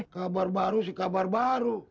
kabar baru sih kabar baru